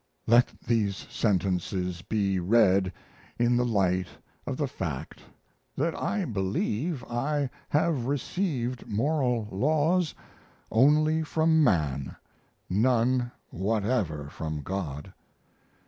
(Let these sentences be read in the light of the fact that I believe I have received moral laws only from man none whatever from God.)